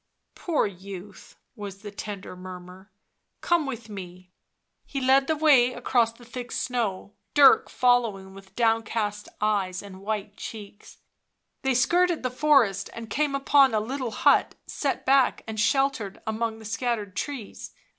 " Poor youth," was the tender murmur. " Come with me." He led the way across the thick snow, Dirk following with downcast eyes and white cheeks. They skirted the forest and came upon a little hut, set back and sheltered among the scattered trees.